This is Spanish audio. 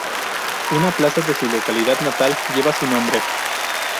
Una plaza de su localidad natal lleva su nombre.